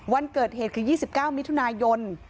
วันเกิดเหตุคือ๒๙มิถุนายน